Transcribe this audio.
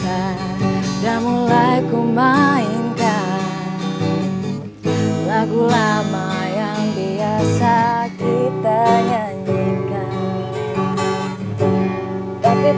ada yang ada di